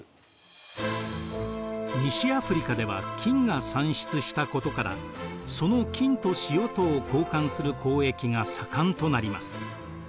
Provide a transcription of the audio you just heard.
西アフリカでは金が産出したことからその金と塩とを交換する交易が盛んとなります。